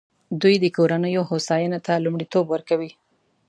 دوی د کورنیو هوساینې ته لومړیتوب ورکوي.